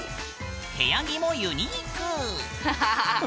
部屋着もユニーク。